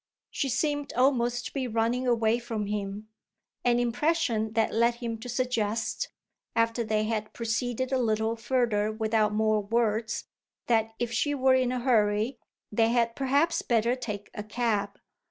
She seemed almost to be running away from him, an impression that led him to suggest, after they had proceeded a little further without more words, that if she were in a hurry they had perhaps better take a cab.